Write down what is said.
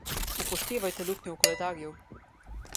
Upoštevajte luknjo v koledarju.